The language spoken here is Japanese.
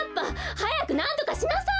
はやくなんとかしなさい！